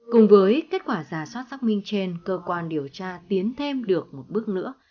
cùng với kết quả giả soát xác minh trên cơ quan điều tra tiến thêm được một bước nữa